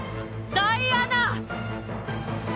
ダイアナ！